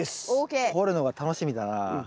掘るのが楽しみだな。